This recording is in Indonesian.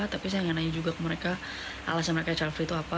tapi saya nggak nanya juga ke mereka alasan mereka charle itu apa